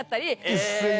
一斉にね。